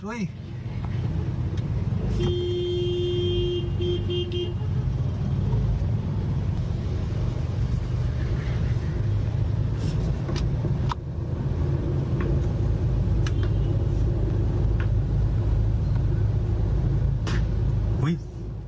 อุ้ยรถไฟใหม่